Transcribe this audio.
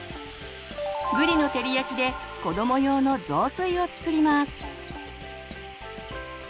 ぶりの照り焼きで子ども用の雑炊を作ります。